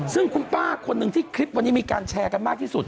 ซึ่งคุณป้าคนหนึ่งที่คลิปวันนี้มีการแชร์กันมากที่สุด